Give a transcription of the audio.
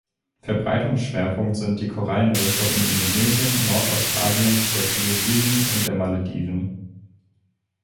Verbreitungsschwerpunkt sind die Korallenriffe um Indonesien, Nordaustralien, der Philippinen und der Malediven.